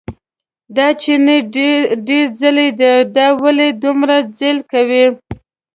دا چیني ډېر ځېلی دی، دا ولې دومره ځېل کوي.